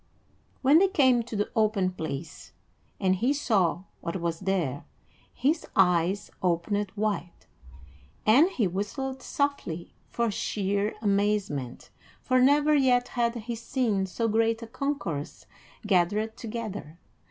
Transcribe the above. When they came to the open place, and he saw what was there, his eyes opened wide, and he whistled softly for sheer amazement, for never yet had he seen so great a concourse gathered together.